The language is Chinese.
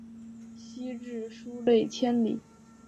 西至疏勒千里。